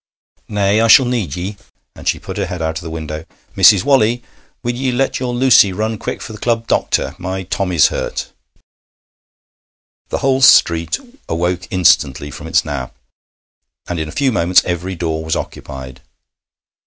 'Nay! I shall need ye.' And she put her head out of the window. 'Mrs. Walley, will ye let your Lucy run quick for th' club doctor? my Tommy's hurt.' The whole street awoke instantly from its nap, and in a few moments every door was occupied.